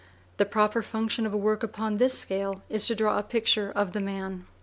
The proper function of a work upon this scale is to draw a picture of the man.